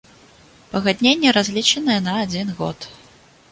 Пагадненне разлічанае на адзін год.